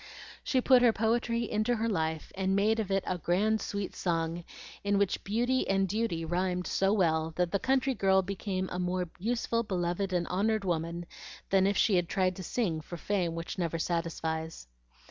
She put her poetry into her life, and made of it "a grand sweet song" in which beauty and duty rhymed so well that the country girl became a more useful, beloved, and honored woman than if she had tried to sing for fame which never satisfies.